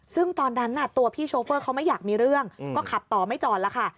ซึ่งตอนนั้นตัวพี่โชเฟอร์เขาไม่อยากมีเรื่องก็ขับต่อไม่จอดแล้วค่ะ